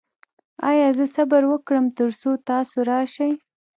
ایا زه صبر وکړم تر څو تاسو راشئ؟